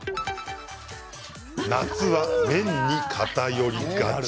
夏は麺に偏りがち。